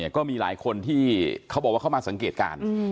ก็มีหลายคนที่เขาบอกว่าเข้ามาสังเกตการณ์